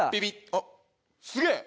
あっすげえ！